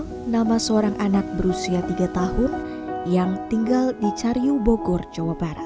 ia adalah penama seorang anak berusia tiga tahun yang tinggal di cariu bogor chawat barat